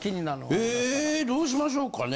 えどうしましょうかね。